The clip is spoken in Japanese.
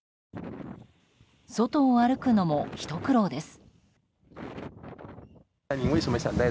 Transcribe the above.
外を歩くのもひと苦労です。